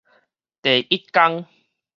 第一工